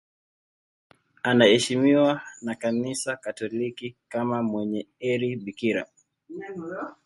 Anaheshimiwa na Kanisa Katoliki kama mwenye heri bikira.